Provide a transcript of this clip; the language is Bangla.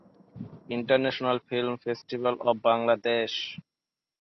International film festival of Bangladesh.